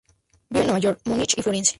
Vive en Nueva York, Múnich y Florence.